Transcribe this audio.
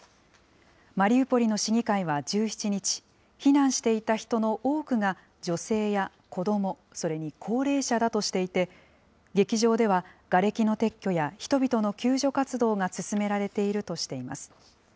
マリウポリの市議会は１７日、避難していた人の多くが、女性や子ども、それに高齢者だとしていて、劇場では、がれきの撤去や人々の救助活動が進められているとしています。